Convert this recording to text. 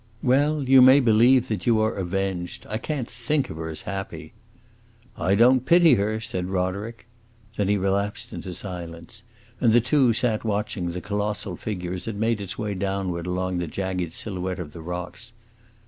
"Well, you may believe that you are avenged. I can't think of her as happy." "I don't pity her!" said Roderick. Then he relapsed into silence, and the two sat watching the colossal figure as it made its way downward along the jagged silhouette of the rocks.